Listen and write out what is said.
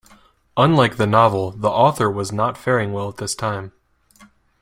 Unlike the novel, the author was not faring well at this time.